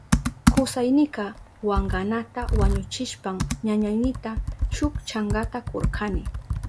Kusaynika wankanata wañuchishpan ñañaynita shuk chankata kurkani.